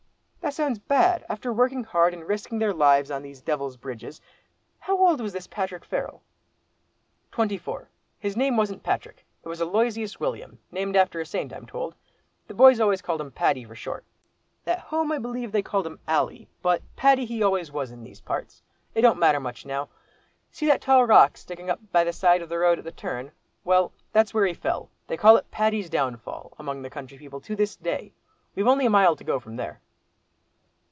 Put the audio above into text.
"That sounds bad after working hard and risking their lives on these Devil's Bridges. How old was this Patrick Farrell?" "Twenty four, his name wasn't Patrick. It was Aloysius William, named after a saint, I'm told. The boys called him 'Paddy' for short. At home, I believe they called him 'Ally.' But Paddy he always was in these parts. It don't matter much now. See that tall rock sticking up by the side of the road at the turn? Well, that's where he fell; they call it 'Paddy's Downfall,' among the country people to this day. We've only a mile to go from there."